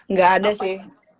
nggak ada sih